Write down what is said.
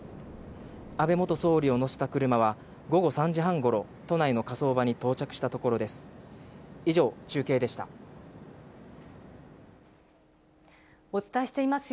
安倍元総理を乗せた車は、午後３時半ごろ、都内の火葬場に到着したところです。